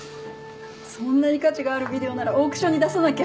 そんなに価値があるビデオならオークションに出さなきゃ。